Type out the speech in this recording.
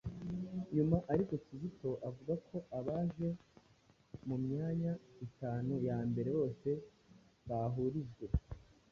Nyuma ariko Kizito avuga ko abaje mu myanya itanu ya mbere bose bahurijwe